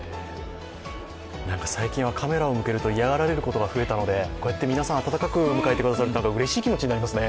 最近はカメラを向けると嫌がられることも増えたので、こうやって皆さん温かく迎えてくださると、うれしい気持ちになりますね。